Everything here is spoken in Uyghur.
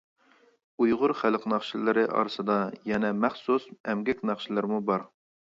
ئۇيغۇر خەلق ناخشىلىرى ئارىسىدا يەنە مەخسۇس ئەمگەك ناخشىلىرىمۇ بار.